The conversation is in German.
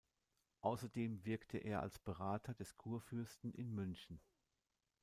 Außerdem wirkte er als Berater des Kurfürsten in München.